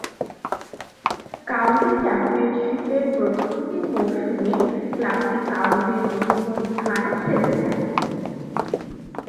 County চ্যাম্পিয়নশীপের প্রথম তিন মৌসুমে ক্লাবটি কাউন্টির বিভিন্ন স্থানে খেলতে থাকে।